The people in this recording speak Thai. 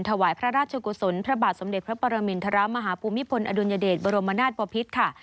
ถวายพระราชกุศลพระบาทสมเด็จพระปรมินทรมาฮภูมิพลอดุลยเดชบรมนาศปภิษค่ะ